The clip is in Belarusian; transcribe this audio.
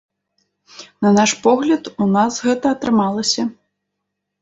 На наш погляд, у нас гэта атрымалася.